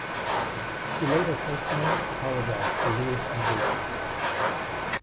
He later personally apologised to Luis Enrique.